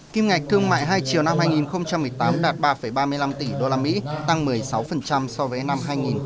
kim ngạch thương mại hai triệu năm hai nghìn một mươi tám đạt ba ba mươi năm tỷ usd tăng một mươi sáu so với năm hai nghìn một mươi bảy